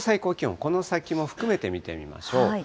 この先も含めて見てみましょう。